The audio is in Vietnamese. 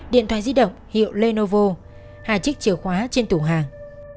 điện thoại di động hiệu lenovo hai chiếc chìa khóa trên tủ hàng